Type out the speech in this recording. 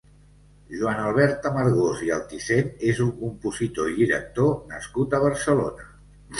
Joan Albert Amargós i Altisent és un compositor i director nascut a Barcelona.